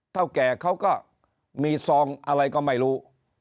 เท่าแก่เขาก็มีซองอะไรก็ไม่รู้